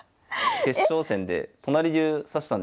決勝戦で都成流指したんですよ。